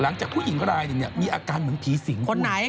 หลังจากผู้หญิง